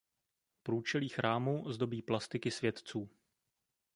Průčelí chrámu zdobí plastiky světců.